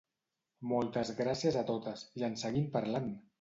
Moltes gràcies a totes, i en seguim parlant!